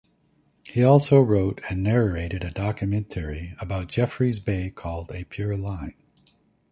He also wrote and narrated a documentary about Jeffreys Bay called "A Pure Line".